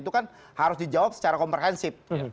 itu kan harus dijawab secara komprehensif